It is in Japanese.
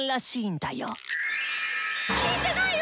聞いてないよ